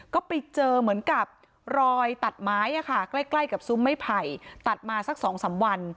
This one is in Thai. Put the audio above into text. ก็ไปเจอเหมือนกับรอยตัดไม้ใกล้กับซุ้มไม้ไผ่ตัดมาสัก๒๓วัน